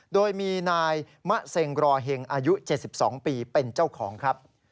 โดยมีนายมะเซ็งรอเห็งอายุ๗๒ปีเป็นเจ้าของครับ